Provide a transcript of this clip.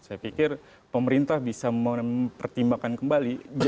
saya pikir pemerintah bisa mempertimbangkan kembali